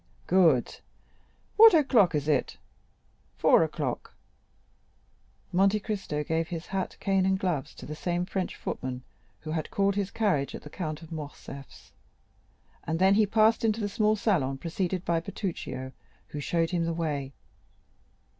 "Good; what o'clock is it?" "Four o'clock." Monte Cristo gave his hat, cane, and gloves to the same French footman who had called his carriage at the Count of Morcerf's, and then he passed into the small salon, preceded by Bertuccio, who showed him the way.